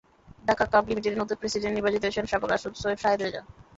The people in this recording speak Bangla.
ঢাকা ক্লাব লিমিটেডের নতুন প্রেসিডেন্ট নির্বাচিত হয়েছেন সাবেক রাষ্ট্রদূত সৈয়দ শাহেদ রেজা।